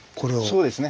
そうですね